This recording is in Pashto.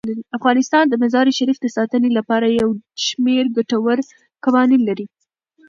افغانستان د مزارشریف د ساتنې لپاره یو شمیر ګټور قوانین لري.